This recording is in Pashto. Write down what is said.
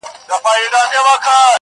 کلونه کېږي د بلا په نامه شپه ختلې-